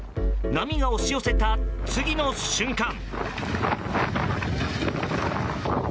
波が押し寄せた次の瞬間。